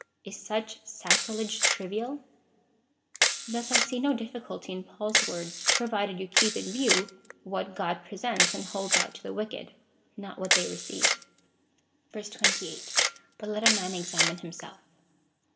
Is such sacrilege trivial ? Thus I see no difficulty in Paul's words, provided you keep in view what God presents and holds out to the wicked — not what they receive. 28. But let a man examine himself.